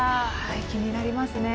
気になりますね。